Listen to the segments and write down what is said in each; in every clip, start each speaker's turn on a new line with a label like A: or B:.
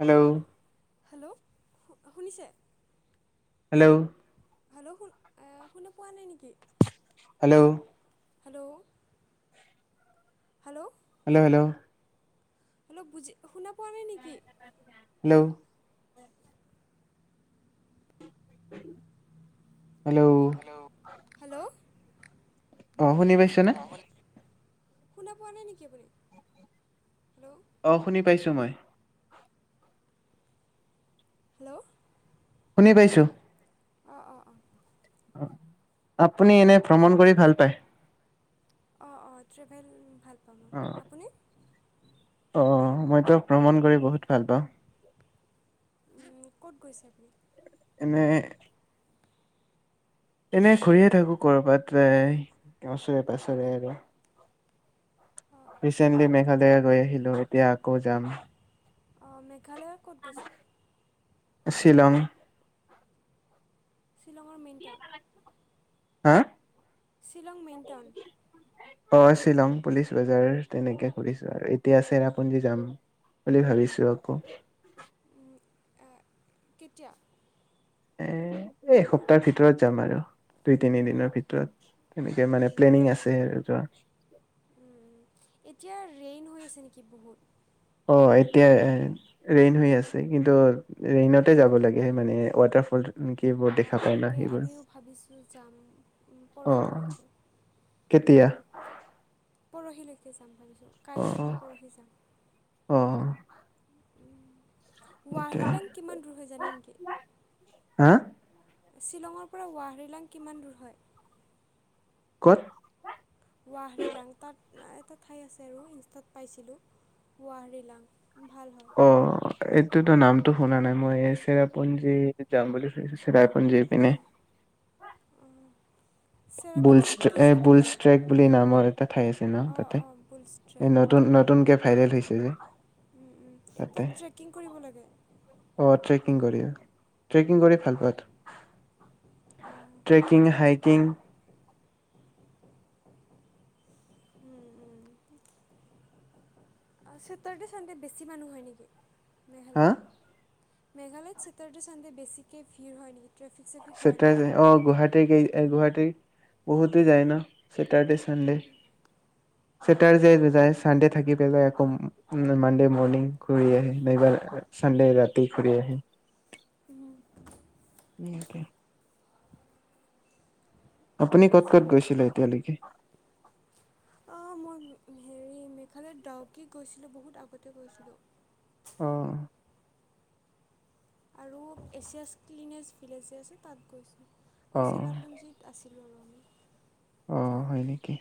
A: Hello
B: hello. শুনিছে?
A: Hello.
B: Hello, শু, শুনা পোৱা নাই, নিকি?
A: Hello.
B: Hello, hello.
A: Hello, hello.
B: Hello, বুজি, শুনা পোৱা নাই, নিকি?
A: হেল্ল। [unintelligible] হেল্ল।
B: হেল্ল।
A: অ, শুনি পাইছে নে?
B: শুনা পোৱা, নাই নিকি আপুনি, হেল্ল।
A: অ, শুনি পাইছো, মই।
B: হেল্ল।
A: শুনি পাইছো।
B: অ, অ, অ।
A: আপুনি এনে ভ্ৰমণ কৰি, ভাল পায়।
B: অ, অ, ট্ৰেভেল ভাল
A: অ
B: আপুনি।
A: অ, মইটো ভ্ৰমণ কৰি বহুত ভাল পাওঁ।
B: ক'ত গৈছে আপুনি?
A: এনে এনে, ঘুৰিয়ে থাকো কৰবাত যায় ওচৰে, পাচৰে আৰু।
B: অঁ
A: ৰিচেণ্টলি মেঘালয়ে গৈ আহিলো, এতিয়া আকৌ যাম।
B: অ, মেঘালয় ক'ত গৈছে?
A: শ্বিলং।
B: শ্বিলঙৰ মেইণ টাউন।
A: হা?
B: Shillong main town.
A: অ' শ্বিলং পুলিচ বজাৰ তেনেকে খুলিছো আৰু এতিয়া চেৰাপুঞ্জী যাম, বুলি ভাবিছো আকৌ
B: এ, কেতিয়া?
A: এ- এসপ্তাহ ভিতৰত যাম আৰু দুই তিনি
B: অঁ
A: দিনৰ ভিতৰত তেনেকে মানে প্লেনিং আছে আৰু যোৱা।
B: এতিয়া ৰেইন হৈ আছে নেকি বহুত
A: অ' এতিয়া ৰেইন হৈ আছে কিন্তু ৰেইনতে যাব লাগে মানে ৱাটাৰফল, কি এইবোৰ দেখা পায় ন
B: তাকে
A: সেইবোৰ
B: আমিও ভাবিছোঁ যাম
A: অ
B: পৰহিলৈকে।
A: কেতিয়া
B: পৰহিলৈকে যাম ভাবিছোঁ।
A: অ'
B: কাইলৈ বা
A: অ',
B: পৰহি যাম
A: অহ! সেইটোৱে
B: ৱাৰিলাং কিমান দূৰ হৈ জানে নেকি?
A: হাঁ?
B: শ্বিলঙৰ পৰা ৱাহৰিলাং কিমান দূৰ হয়?
A: কত?
B: গোৱাহাতিৰ লাংতাত। এটা ঠাই আছে আৰু ইনষ্টাত পাইছিলোঁ হুৱাহ ৰিলাং
A: অ এইটো- নামটো শুনা নাই মই চিৰাপুঞ্জী যাম বুলি শুছো চিৰাপুঞ্জী পিনে।
B: অঁ
A: বুলছ
B: চেৰাপুঞ্জীৰ
A: ট্ৰে,
B: কি
A: এ,
B: চাব
A: বুলছ ট্ৰেক বুলি নামৰ এটা ঠাই আছে ন
B: অঁ
A: তাতে?
B: অঁ বুলছ
A: এ
B: ট্ৰেক
A: নতুন, নতুনকে ভাইৰেল হৈছে যে
B: উম, উম,
A: তাতে।
B: তাত ট্ৰেকিং কৰিব লাগে
A: অ ট্ৰেকিং কৰি- [unintelligible] কি কৰি ভাল পাত [unintelligible]
B: অঁ
A: ট্ৰেকিং, হাইকিং?
B: উ-উ চতাৰডে-চানডেত বেছি মানুহ হয় নেকি?
A: হা
B: মেঘালয়ত মেঘালয়ত চতাৰদে, চানদে বেছিকৈ ভিৰ হয় নেকি? ট্ৰেফিক চেফিক হয় নেকি
A: চেটাৰদে অ' গুৱাহাটী-গুৱাহাটী, বহুতে যায় ন চেটাৰ্ডে চানডে-চেটাৰডে যায় চানডে থাকি পেলেলাই আকৌ মানডে মৰ্ণিং ঘূৰি আহে নাইবা, চানডে ৰাতি ঘূৰি আহে।
B: [inaudible]
A: নিকে আপুনি ক'ত-ক'ত গৈছিলে এতিয়ালৈকে?
B: অঁ মই হেৰি মেঘালয়ত ডাউকী গৈছিলোঁ। বহুত আগতে গৈছিলোঁ।
A: অহ
B: আৰু এছিয়াছ ক্লিনেছ ভিলজ আছে তাত গৈছোঁ। আৰু
A: অ
B: চেৰাপুঞ্জীত আছিল
A: অ' হয় নেকি?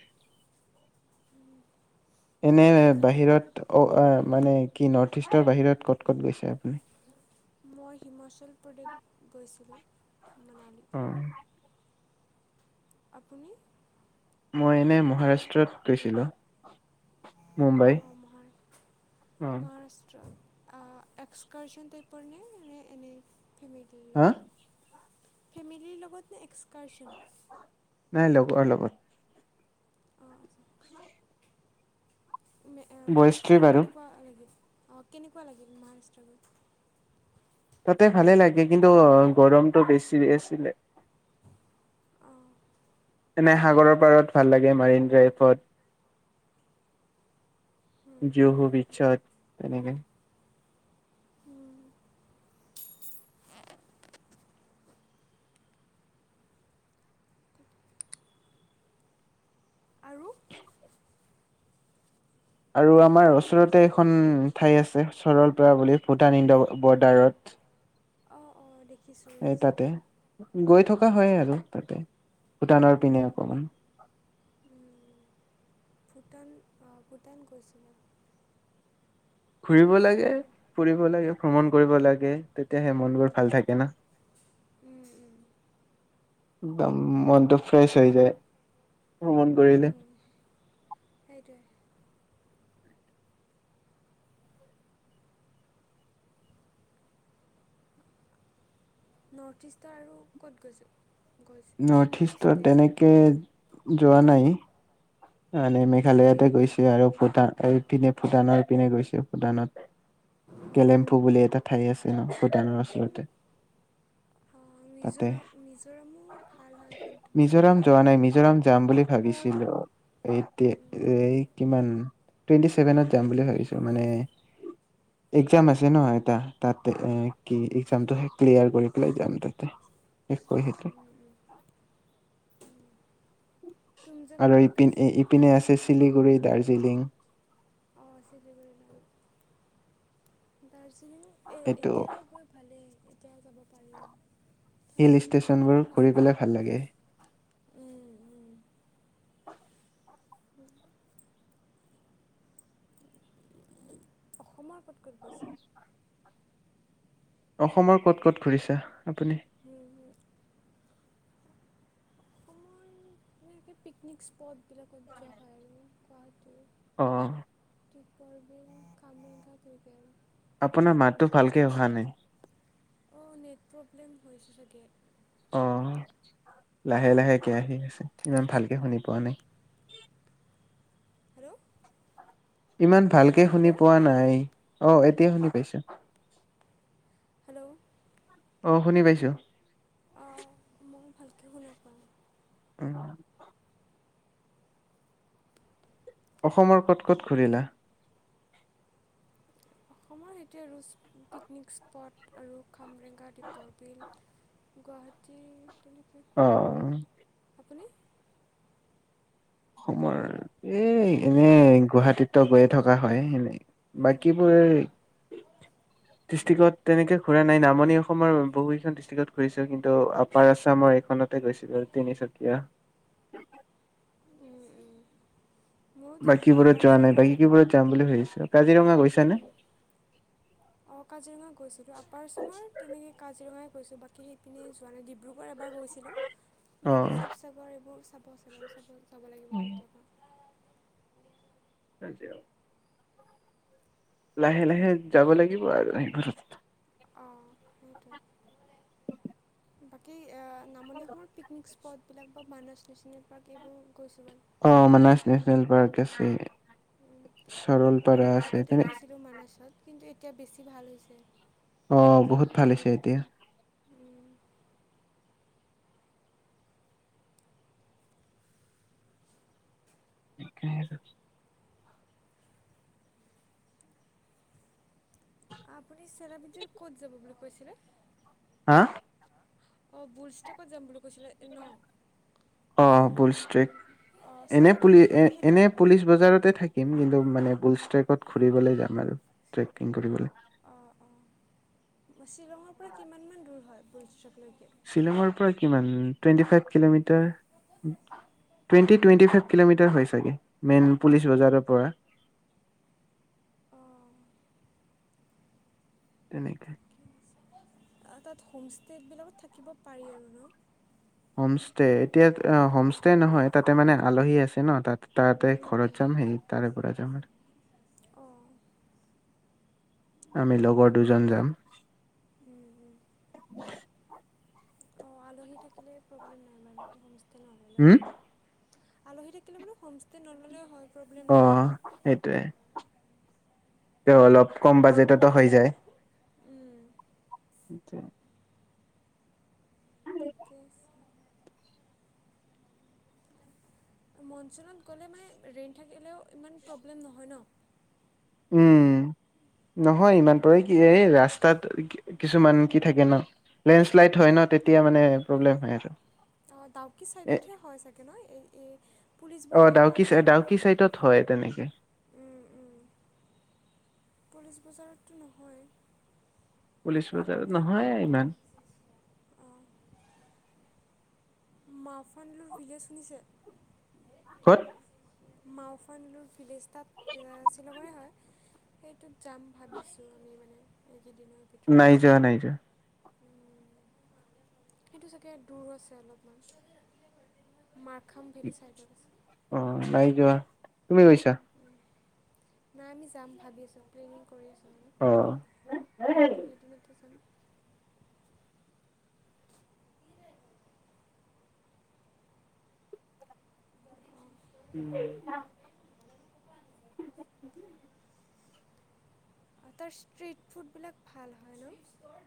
A: এনে
B: বাকী মেঘালয়ৰ
A: বাহিৰত অ' আ'মানে কি ন- নথইষ্ট ৰ বাহিৰত ক'ত-ক'ত গৈছে আপুনি?
B: মই হিমাচল প্ৰডেক্ট গৈছিলোঁ। মানাহ
A: উম,
B: আপুনি?
A: মই এনে মহাৰাষ্ট্ৰত গৈছিলো। মুম্বাই
B: অঁ মহা
A: অহ।
B: অ এক্সকাৰ্ছন তাইপৰ নে? নে এনে ফেমিলি
A: হা
B: লগত? ফেমিলি লগত নে এক্স কাৰ্ছন?
A: গৰ লগত।
B: অ আতচ্ছা। মে এ
A: বয়স্ত্ৰী
B: মহাৰাষ্ট্ৰত
A: বাৰু
B: কেনেকুৱা লাগে? অ কেনেকুৱা লাগিল মহাৰাষ্ট্ৰ গৈ?
A: তাতে ভালে লাগে কিন্তু গৰমটো বেছি আছিলে।
B: অঁ
A: মানে সাগৰৰ পাৰত ভাল লাগে মাৰিন
B: হুম,
A: ড্ৰাইভত। যৌ হৌ বিচাত। তেনেকে।
B: হুম। আৰু
A: আৰু আমাৰ ওচৰতে এখন ঠাই আছে। সৰলপা বুলি ভূটান ইন্দ্ৰ বৰ্ডাৰত।
B: অ অ দেখিছোঁ।
A: এই
B: স
A: তাতে গৈ থকা হয় আৰু তাতে ভূটানৰ পিনে অকমান।
B: ভূটান, অ', ভূটান গৈছিলা।
A: ঘুৰিব লাগে, ফুৰিব লাগে। ভ্ৰমণ কৰিব লাগে তেত তেতিয়াহে মনবোৰ
B: উম,
A: ভাল থাকে না।
B: উম, উম,
A: একদম মনটো ফ্ৰেছ হৈ যায়। ভ্ৰমণ কৰিলে।
B: উম, সেইটোৱে নৰ্থ ইষ্টৰ আৰু ক'ত গৈছে?
A: নৰ্থ
B: বেলেগ
A: ইষ্টত
B: ষ্টেট
A: তেনেকে যোৱা নাই। মানে
B: মি
A: মেঘালয়তে গৈছো। আৰু ভূটান
B: অঁ
A: এইপিনে ভূটানৰ পিনে গৈছো। ভূটানত
B: অঁ
A: কেলেম্পু
B: অঁ
A: বুলি এটা ঠাই আছে ন, ভূটানৰ
B: উম।
A: ওচৰতে।
B: অঁ
A: তাতে।
B: মিজোৰাম মিজোৰামো ভাল হয় কিন্তু
A: মিজোৰাম যোৱা নাই। মিজোৰাম যাম বুলি ভাবিছিলো। এইটে
B: উম,
A: এই কিমান টুৱেণ্টি ছেভেনত যাম বুলি ভাবিছো, মানে এক্সাম আছে ন এটা। তাতে
B: উম,
A: কি এক্সামটো শেষ ক্লিয়াৰ কৰি পেলাই যাম তাতে, এক সেইয়াতে।
B: উম, উম, উম। তুমজাং
A: আৰু
B: পিক
A: ইপিন-
B: গৈছোঁ
A: ইপিনে আছে চিলিগুৰিত দাৰ্জিলিং
B: অঁ চিলিগুৰি। দাৰ্জিলিং এ
A: এইটো
B: এতিয়া গৈ ভালেই কেতিয়া যাব পাৰিম
A: হিল ষ্টেশচনবোৰ ঘূৰিবলৈ ভাল লাগে।
B: উম। অসমৰ কত, কত গৈছা?
A: অসমৰ কত ক'ত ঘূৰিছা? আপুনি।
B: অসমাৰ এনেকে পিকনিক স্পটবিলাকত যোৱা হয় আৰু। যোৱাটো
A: আহ'।
B: দিপৰ্বিল, কমাৰ্ঘট লৈকে আৰু।
A: আপোনাৰ মাতটো ভালকে অহা নাই।
B: অ' নেটৱৰ্ক লম হৈ হৈছে চাগে
A: অ', লাহে লাহে একে আহি আছে ইমান ভালকে শুনি পোৱা নাই।
B: হেল্ল'
A: ইমান ভালকৈ শুনি
B: হেল্ল'
A: পোৱা নাই অ' এতিয় শুনি পাইছো
B: হেল্ল'
A: অ' শুনি পাইছো।
B: অঁ মই ভালকৈ শুনাপাওঁ।
A: উ অসমৰ কত কত ঘূৰিলা?
B: অসমৰ এতিয়া চুপ পিকনিক স্পট আৰু খামৰেঙা, দ্বীপৰ বিল গুৱাহাটী তেনে
A: অ' অসমৰ এই এনেই গুৱাহাটীততো গৈয়ে থকা হয় এনে বাকীবোৰ ডিষ্ট্ৰিক্ত তেনেকে ঘূৰা নাই নামনি অসমৰ বহুকেইখন ডিষ্ট্ৰিক্ত ঘূৰিছোঁ কিন্তু আপাৰ আছামৰ এইখনতে গৈছিলোঁ তিনিচুকীয়া।
B: মোৰো তেনেকুৱা
A: বাকীবোৰত
B: আপাৰ
A: যোৱা নাই
B: আচামৰ
A: বাকী কিবোৰত যাম বুলি ভাবিছো কাজিৰঙা গৈছ নে?
B: অ, কাজিৰঙা গৈছিলোঁ। আপাৰ আছামৰ তেনেকৈ কাজিৰঙা গৈছো বাকী সেইপিনে যোৱা নাই ডিব্ৰুগড় গৈছিলোঁ। বাকী শিৱসাগৰ এইবোৰ চাব পাৰ্চনেল চাবই
A: উম। আজি অ'। লাহে, লাহে যাব লাগিব আৰু সেই ঘৰত
B: অ সেইটোৱে। বাকী এয়া নামনিত অসমত পিকনিক স্প স্পট বিলাকত মানছ নেচনেল পাৰ্ক এইবোৰ গৈছো আৰু
A: অ মানস নেচনেল পাৰ্ক আছে
B: উ
A: চৰলপাৰা
B: বহুত
A: আছে
B: আগতে
A: তেনে
B: কৈছিলো মানছত কিন্তু এতিয়া বেছি ভাল হৈছে
A: অ
B: যাব
A: বহুত ভাল হৈছে এতিয়া
B: উম।
A: [unintelligible]
B: আপুনি চেৰাপুঞ্জীৰ ক'ত যাব বুলি কৈছিলে
A: হা
B: অ বুল ষ্টক'ত যাম বুলি কৈছিলে ন
A: অ বুলষ্ট্ৰেক
B: অঁ চেৰাপুঞ্জীৰ সেই সেইটো
A: এনে পুলিচ বজাৰতে থাকিম কিন্তু মানে বুলষ্ট্ৰেকত
B: অঁ
A: ঘুৰিবলৈ যাম আৰু ট্ৰেকিং কৰিবলৈ
B: অঁ অঁ শ্বিলঙৰ পৰা কিমানমান দূৰ হয় বুলষ্টকলৈ
A: শ্বিলঙৰ পৰা কিমান twenty five kilometre twenty twenty five kilometre হয় চাগে মেইন পুলিচ বজাৰৰ পৰা তেনেকে
B: আউ তাত হোমষ্টেবিলাকত থাকিব পাৰি আৰু ন
A: হোমষ্টে এতিয়া হোমষ্টে নহয় তাতে মানে আলহী আছে ন তাত তাতেই ঘৰত যাম হেৰি তাৰে পৰা যাম আৰু
B: অঁ
A: আমি লগৰ দুজন যাম
B: অ আলহী থাকিলে প্ৰব্লেম নাই বাৰু হোমষ্ট্ৰেলত
A: হুম
B: আলহী থাকিলে মানে হোম ষ্টে নল'লেও হয় প্ৰব্লেম নাই
A: অ' সেইটোৱে তেও অলপ কম বাজেটতো হৈ যায়
B: উম
A: [unintelligible]
B: থিকেই আছে মনচনত গ'লে মানে ৰেইন থাকিলেও ইমান প্ৰব্লেম নহয় ন
A: উম নহয় ইমান পৰে কি এই ৰাস্তাত কিছুমান কি থাকে ন লেণ্ডশ্লাইড হয় ন তেতিয়া মানে প্ৰব্লেম হয় আৰু
B: অ ডাউকি
A: এ
B: চাইদতহে হয় চাগে ন এ এ
A: অ ডাউকি চাই ডাউকি চাইডত হয় তেনেকে
B: উম, উম, পুলিচ বজাৰততো নহয়
A: পুলিচ
B: বাকী
A: বজাৰত
B: এইপিনে
A: নহয়ে ইমান
B: মাফান্লুৰ ভিলেজ শুনিছে
A: ক'ত
B: মাওফানলো ভিলেজ, তাত শ্বিলঙৰে হয়। সেইটোত যাম ভাবিছো, আমি মানে। এইকেইদিনৰ ভিতৰত
A: নাই যোৱা, নাই যোৱা।
B: উম, সেইটো চাগে দূৰো আছে, অলপমান। মাৰখাম ভেলী ছাইডত আছে
A: অ, নাই যোৱা। তুমি গৈছা?
B: উম, নাই, আমি যাম ভাবি আছো, প্লেনিং কৰি আছো।
A: অ
B: এই কেইদিনতো যাম।
A: উম।
B: তাৰ, ষ্ট্ৰিট ফুডবিলাক ভাল হয় ন?